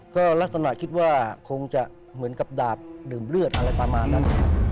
ก็ลักษณะคิดว่าคงจะเหมือนกับดาบดื่มเลือดอะไรประมาณนั้น